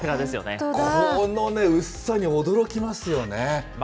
このね、薄さに驚きますよね。